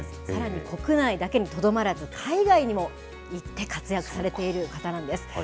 さらに国内だけにとどまらず、海外にも行って活躍されている方なんです。